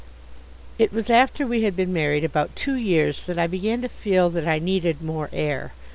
_ It was after we had been married about two years that I began to feel that I needed more air.